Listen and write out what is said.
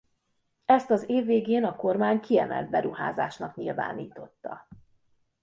Ezt az év végén a kormány kiemelt beruházásnak nyilvánította.